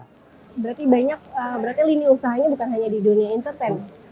berarti banyak berarti lini usahanya bukan hanya di dunia entertain